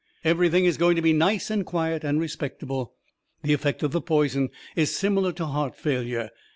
Everything is going to be nice and quiet and respectable. The effect of the poison is similar to heart failure.